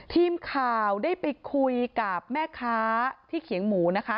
ทีมข่าวได้ไปคุยกับแม่ค้าที่เขียงหมูนะคะ